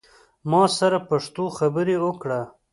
ما سره پښتو خبری اوکړه